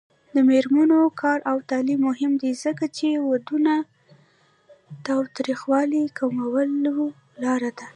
د میرمنو کار او تعلیم مهم دی ځکه چې ودونو تاوتریخوالي کمولو لاره ده.